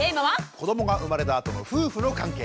子どもが生まれたあとの夫婦の関係。